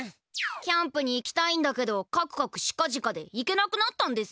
キャンプにいきたいんだけどかくかくしかじかでいけなくなったんです。